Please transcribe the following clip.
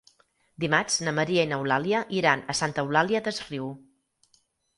Dimarts na Maria i n'Eulàlia iran a Santa Eulària des Riu.